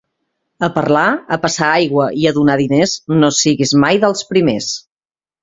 A parlar, a passar aigua i a donar diners no siguis mai dels primers.